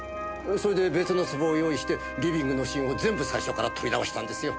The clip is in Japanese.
それで別の壺を用意してリビングのシーンを全部最初から撮り直したんですよ。